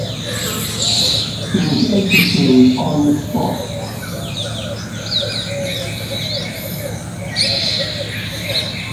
He was executed on the spot.